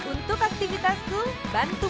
untuk aktivitas school bantu